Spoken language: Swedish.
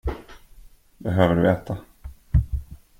Behöver du äta?